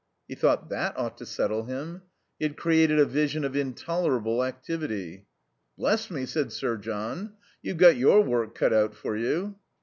He thought: "That ought to settle him." He had created a vision of intolerable activity. "Bless me," said Sir John, "you've got your work cut out for you."